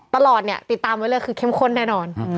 ตลอดเนี่ยติดตามไว้เลยคือเข้มข้นแน่นอน